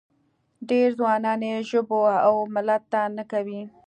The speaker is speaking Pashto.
ډېر ځوانان یې ژبو او ملت ته نه کوي.